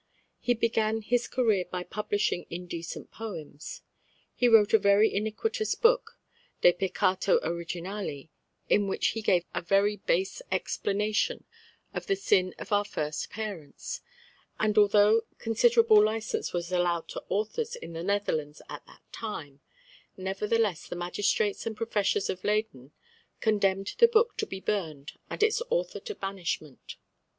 He began his career by publishing indecent poems. He wrote a very iniquitous book, De Peccato originali, in which he gave a very base explanation of the sin of our first parents; and although considerable licence was allowed to authors in the Netherlands at that time, nevertheless the magistrates and professors of Leyden condemned the book to be burned and its author to banishment.